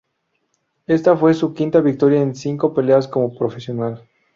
Esta fue su quinta victoria en cinco peleas como profesional.